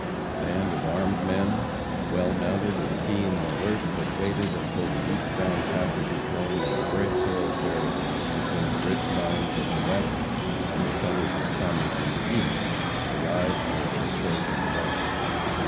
A band of armed men, well mounted, and keen and alert, had waited until the east bound passenger train on the great thoroughfare between the rich mines of the West and the centers of commerce in the East arrived near their chosen lair.